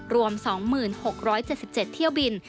รวม๒๖๗๗เที่ยวบิน